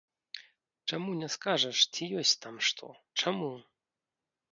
Чаму не скажаш, ці ёсць там што, чаму?